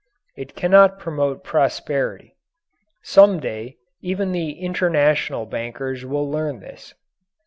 It cannot promote prosperity. Some day even the international bankers will learn this.